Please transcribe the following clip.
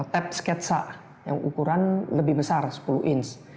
tap sketsa yang ukuran lebih besar sepuluh inch